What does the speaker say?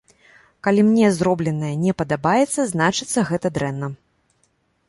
Калі мне зробленае не падабаецца, значыцца, гэта дрэнна.